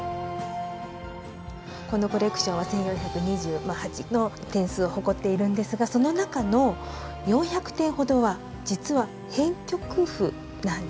このコレクションは１，４２８の点数を誇っているんですがその中の４００点ほどは実は編曲譜なんです。